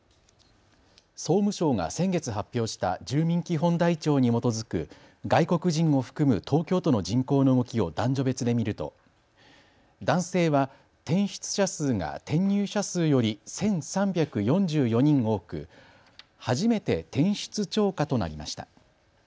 総務省が先月発表した住民基本台帳に基づく外国人を含む東京都の人口の動きを男女別で見ると男性は転出者数が転入者数より１３４４人多く初めて転出超過となりました。